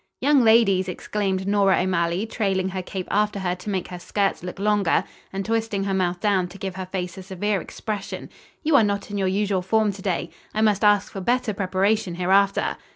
"Young ladies," exclaimed Nora O'Malley, trailing her cape after her to make her skirts look longer, and twisting her mouth down to give her face a severe expression, "you are not in your usual form to day. I must ask for better preparation hereafter."